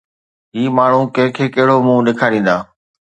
هي ماڻهو ڪنهن کي ڪهڙو منهن ڏيکاريندا؟